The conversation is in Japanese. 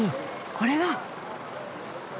これが。